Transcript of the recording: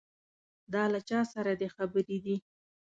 دا له چا سره دې خبرې دي.